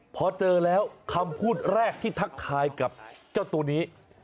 พอเจอแล้วคำพูดแรกที่ทักทายกับเจ้าตัวนี้